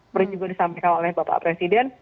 berjuga disampaikan oleh bapak presiden